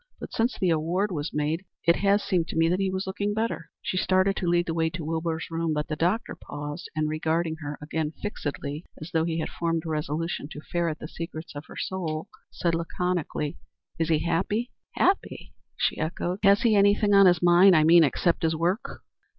But since the award was made it has seemed to me that he was looking better." She started to lead the way to Wilbur's room, but the doctor paused, and regarding her again fixedly, as though he had formed a resolution to ferret the secrets of her soul, said laconically: "Is he happy?" "Happy?" she echoed. "Has he anything on his mind, I mean anything except his work?"